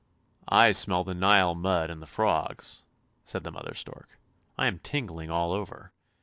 " I smell the Nile mud and the frogs," said the mother stork. " I am tingling all over.